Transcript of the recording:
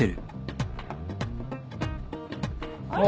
あれ？